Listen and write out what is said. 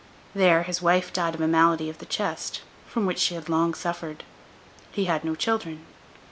There his wife died of a malady of the chest, from which she had long suffered. He had no children.